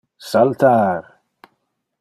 Saltar!